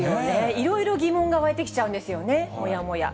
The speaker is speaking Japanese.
いろいろ疑問が湧いてきちゃうんですよね、もやもや。